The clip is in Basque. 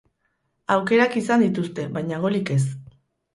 Aukerak izan dituzte, baina golik ez.